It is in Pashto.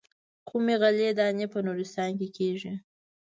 کومې غلې دانې په نورستان کې کېږي.